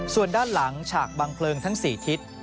ส่วนด้านหลังฉากบังเพลิงทั้ง๔ทิศ